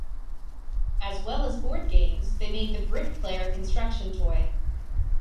As well as board games they made the "Brickplayer" construction toy.